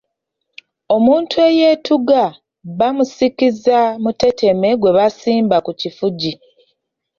Omuntu eyeetuga bamusikiza muteteme gwe basimba ku kifugi.